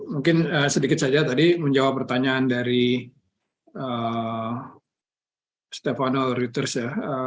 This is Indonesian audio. mungkin sedikit saja tadi menjawab pertanyaan dari stefano reuters ya